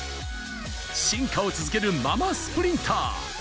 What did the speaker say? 進化を続けるママスプリンター。